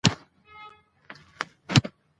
ولایتونه د ځوانانو د هیلو استازیتوب کوي.